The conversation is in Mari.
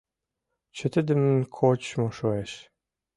Чытыдымын кочмо шуэш.